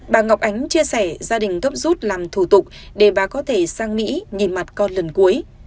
bà ngọc ánh chia sẻ gia đình gấp rút làm thủ tục để bà có thể sang mỹ nhìn mặt con lần cuối